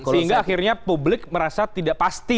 sehingga akhirnya publik merasa tidak pasti